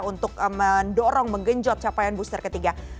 untuk mendorong menggenjot capaian booster ketiga